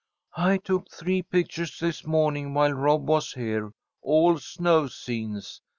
"I took three pictures this morning while Rob was here, all snow scenes.